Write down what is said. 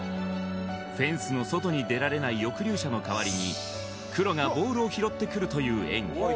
フェンスの外に出られない抑留者の代わりにクロがボールを拾ってくるという演技